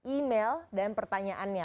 email dan pertanyaannya